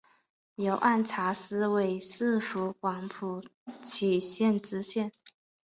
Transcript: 由按察司委摄湖广蒲圻县知县。